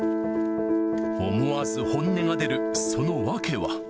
思わず本音が出るその訳は。